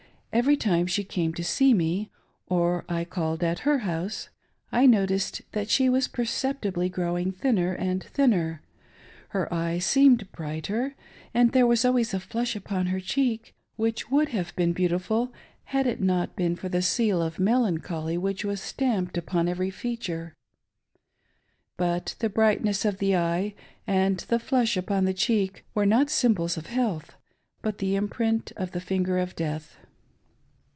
Every time she came to see me, or I called at her house, I noticed that she was perceptibly growing thinner and thinner ; her eye seehied brighter, and there was always a flush upon her Cheek, which would have been beautiful had it not been for the seal of melancholy which was stamped upon every feature. But the brightness of the eye, and the flush upon the cheek, were not symbols of health, but the imprint of the finger of death.